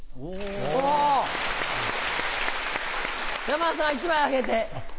山田さん１枚あげて。